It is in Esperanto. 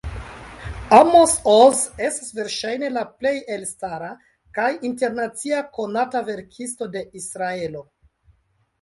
Amos Oz estas verŝajne la plej elstara kaj internacie konata verkisto de Israelo.